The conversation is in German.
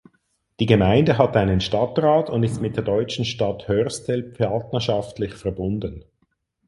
Die Gemeinde hat einen Stadtrat und ist mit der deutschen Stadt Hörstel partnerschaftlich verbunden.